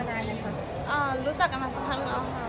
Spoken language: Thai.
อ่อนรู้จักกันมาสักปักอย่าง